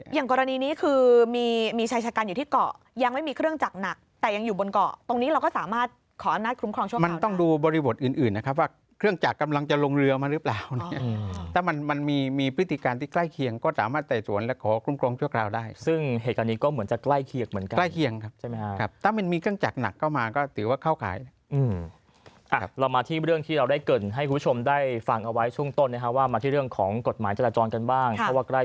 อย่างกรณีนี้คือมีชายชะกันอยู่ที่เกาะยังไม่มีเครื่องจักรหนักแต่ยังอยู่บนเกาะตรงนี้เราก็สามารถขออนุญาตคุ้มครองชั่วคราวมันต้องดูบริบทอื่นนะครับว่าเครื่องจักรกำลังจะลงเรือมาหรือเปล่าแต่มันมีพฤติการที่ใกล้เคียงก็สามารถไต่สวนและขอคุ้มครองชั่วคราวได้ซึ่งเหตุการณ์นี้ก็เหมือนจะใก